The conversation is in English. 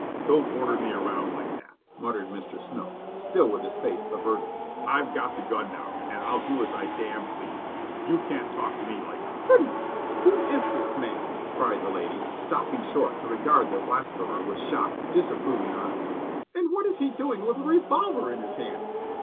"Don't order me around like that," muttered Mr. Smilk, still with his face averted. "I've got the gun now and I'll do as I damn' please. You can't talk to me like " "Goodness! Who is this man?" cried the lady, stopping short to regard the blasphemer with shocked, disapproving eyes. "And what is he doing with a revolver in his hand?"